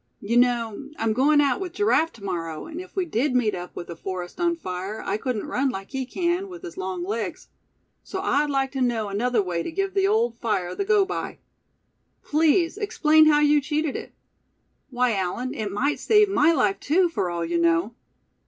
"You know, I'm goin' out with Giraffe to morrow, and if we did meet up with a forest on fire, I couldn't run like he can, with his long legs; so I'd like to know another way to give the old fire the go by. Please explain how you cheated it. Why, Allan, it might save my life too, for all you know."